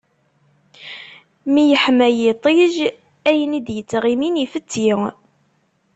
Mi yeḥma yiṭij, ayen i d-ittɣimin ifetti.